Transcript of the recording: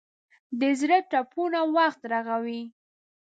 د زړه ټپونه وخت رغوي.